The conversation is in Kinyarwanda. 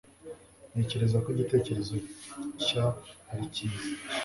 Ntekereza ko igitekerezo cya ari cyiza.